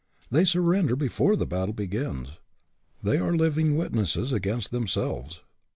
They surrender before the battle begins. They are living witnesses against themselves.